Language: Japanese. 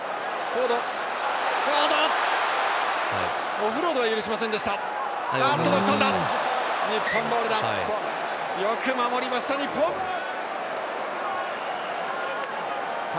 オフロードは許しませんでした。